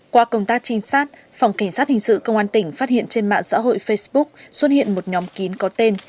qua công tác trinh sát phòng cảnh sát hình sự công an tỉnh phát hiện trên mạng xã hội facebook xuất hiện một nhóm kín có tên